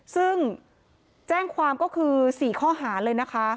ซึ่งแจ้งความก็คือ๔ข้อหาเลยนะคะ